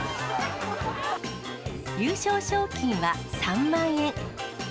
優勝賞金は３万円。